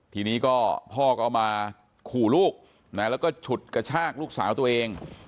ทีนี้ก็พ่อก็เอามาขู่ลูกนะแล้วก็ฉุดกระชากลูกสาวตัวเอง